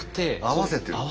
合わせてる。